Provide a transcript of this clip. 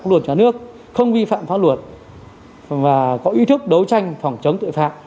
pháp luật nhà nước không vi phạm pháp luật và có ý thức đấu tranh phòng chống tội phạm